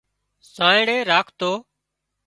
سانئڙِي راکتو